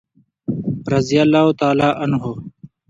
رضي الله تعالی عنه.